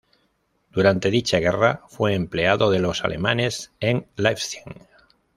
Durante dicha guerra fue empleado de los alemanes en Leipzig.